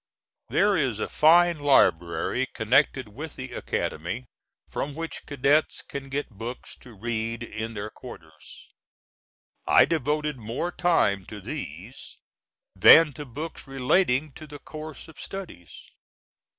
There is a fine library connected with the Academy from which cadets can get books to read in their quarters. I devoted more time to these, than to books relating to the course of studies.